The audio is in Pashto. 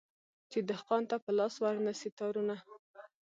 چي دهقان ته په لاس ورنه سي تارونه